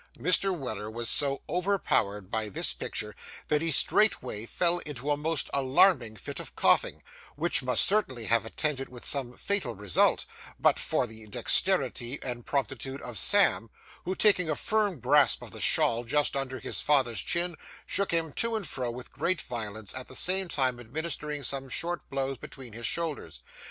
Mr. Weller was so overpowered by this picture that he straightway fell into a most alarming fit of coughing, which must certainly have been attended with some fatal result but for the dexterity and promptitude of Sam, who, taking a firm grasp of the shawl just under his father's chin, shook him to and fro with great violence, at the same time administering some smart blows between his shoulders.